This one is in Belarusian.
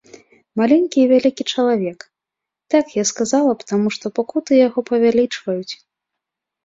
Маленькі вялікі чалавек, так я сказала б, таму што пакуты яго павялічваюць.